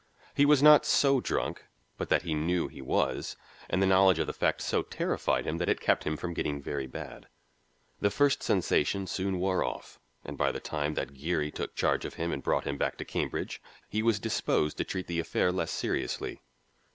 He was not so drunk but that he knew he was, and the knowledge of the fact so terrified him that it kept him from getting very bad. The first sensation soon wore off, and by the time that Geary took charge of him and brought him back to Cambridge he was disposed to treat the affair less seriously.